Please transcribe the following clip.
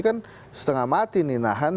kan setengah mati nih nahan